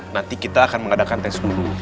nanti kita akan mengadakan tes dulu